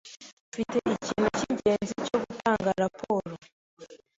Mfite ikintu cyingenzi cyo gutanga raporo.